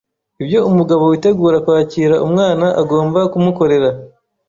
ibyo umugabo witegura kwakira umwana agomba kumukorera